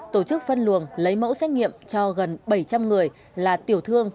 tổ chức phân luồng lấy mẫu xét nghiệm cho gần bảy trăm linh người là tiểu thương